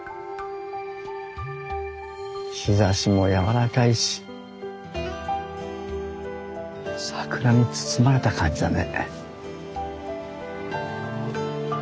日ざしも柔らかいし桜に包まれた感じだね。